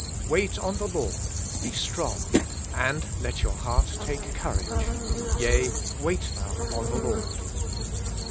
*Wait on the Lord: be strong, and let your heart take courage : yea, wait thou on the Lord.